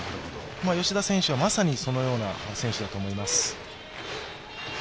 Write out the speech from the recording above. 吉田選手はまさにそのような選手だと思います。